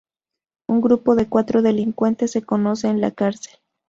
Un grupo de cuatro delincuentes se conoce en la cárcel.